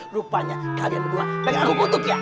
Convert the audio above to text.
rupanya kalian berdua bikin aku botol kia